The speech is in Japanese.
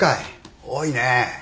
多いね。